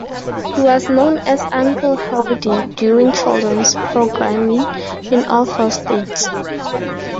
He was known as "Uncle Howdy" during children's programming in all four states.